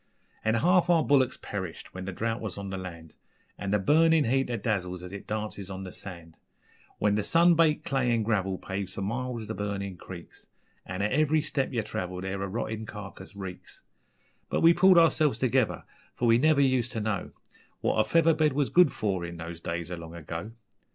An' half our bullicks perished when the drought was on the land, An' the burnin' heat that dazzles as it dances on the sand; When the sun baked clay an' gravel paves for miles the burnin' creeks, An' at ev'ry step yer travel there a rottin' carcase reeks But we pulled ourselves together, for we never used ter know What a feather bed was good for in those days o' long ago.